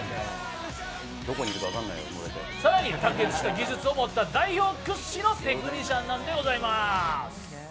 さらに卓越した技術を持った代表屈指のテクニシャンなんです。